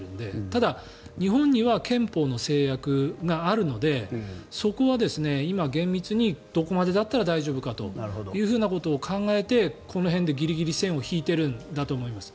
ただ、日本には憲法の制約があるのでそこは今、厳密にどこまでだったら大丈夫かということを考えてこの辺でギリギリ線を引いているんだと思います。